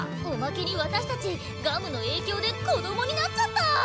おまけに私たちガムの影響で子どもになっちゃった！